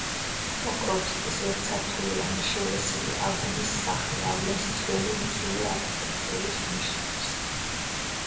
პოკროვსკის ერთსართულიანი, შელესილი, აგურის სახლი ავლენს ძველი რუსული არქიტექტურის ნიშნებს.